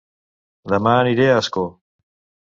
Dema aniré a Ascó